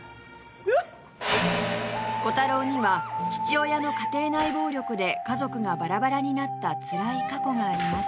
コタローには父親の家庭内暴力で家族がバラバラになったつらい過去があります